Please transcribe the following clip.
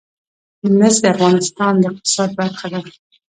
مس د افغانستان د اقتصاد برخه ده.